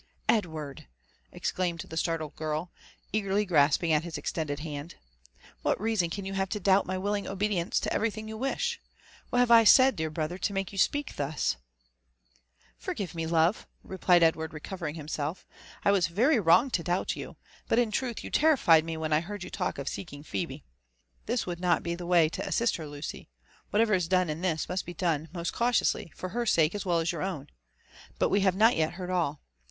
Edward!" exclaimed the startled girl, eagerly grasping hi^ ex tended hand, what reason can you have to doubt my willing obedience to everything you wish ?— What have I said, dear brother, to make you speak thus ?" ''Forgive me, love!" replied Edward, recovering himself; "I was very wrong to doubt you ;— but in truth you terrified me when r JONATHAN JEFFERSON WHITLAW. 85 I heard you talk of seeking Phebe. This would not be the way to assist her, Lucy : whatever is done in this must be done most cau tiously, for her sake as well as your own. — But we have not yet heard all.